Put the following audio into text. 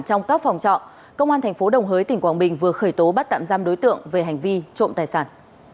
trong các phòng trọ công an thành phố đồng hới tỉnh quảng bình vừa khởi tố bắt tạm giam đối tượng về hành vi trộm tài sản